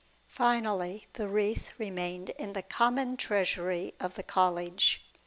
Finally, the wreath remained in the common treasury of the College.